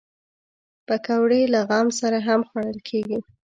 پکورې له غم سره هم خوړل کېږي